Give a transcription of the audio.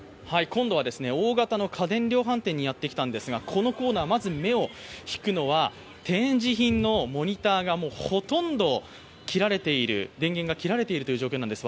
今度は大型の家電量販店にやってきたんですが、このコーナー、まず目を引くのは展示品のモニターがほとんど電源が切られているという状態なんです。